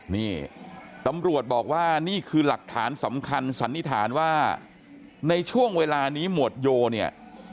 นี่ตำรวจบอกว่านี่คือหลักฐานสำคัญสันนิษฐานว่าในช่วงเวลานี้หมวดโยเนี่ย